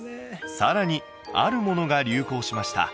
さらにあるものが流行しました